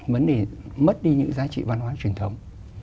vấn đề mất đi những giá trị văn hóa truyền thống